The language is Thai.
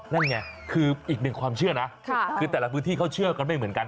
นั่นไงคืออีกหนึ่งความเชื่อนะคือแต่ละพื้นที่เขาเชื่อกันไม่เหมือนกัน